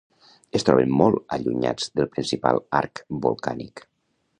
Es troben molt allunyats del principal arc volcànic.